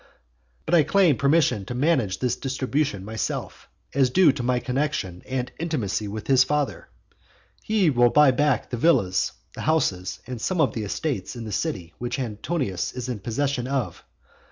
But I claim permission to manage this distribution myself, as due to my connexion and intimacy with his father. He will buy back the villas, the houses, and some of the estates in the city which Antonius is in possession of.